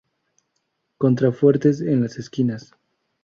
Contrafuertes en las esquinas.